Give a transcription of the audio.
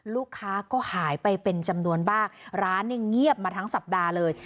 ลูกค้าก็หายไปเป็นจำนวนมากร้านเนี่ยเงียบมาทั้งสัปดาห์เลย